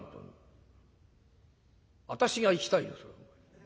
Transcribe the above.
私が行きたいよ。